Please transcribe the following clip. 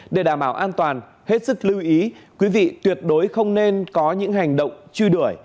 để đảm bảo an toàn hết sức lưu ý quý vị tuyệt đối không nên có những hành động truy đuổi